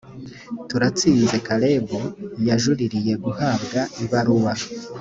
turatsinze caleb yajuririye guhabwa ibaruwa